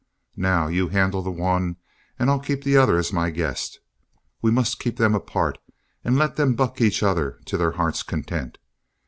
Now, you handle the one, and I'll keep the other as my guest. We must keep them apart and let them buck each other to their hearts' content.